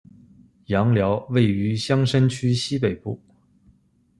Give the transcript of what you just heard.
杨寮位于香山区西北部。